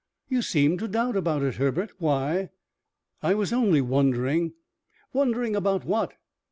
"You seem to doubt about it, Herbert. Why?" "I was only wondering " "Wondering about what?"